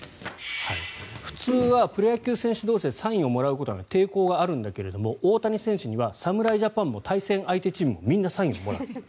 普通はプロ野球選手同士でサインをもらうことには抵抗があるんだけれども大谷選手には侍ジャパンも対戦相手チームもみんなサインをもらう。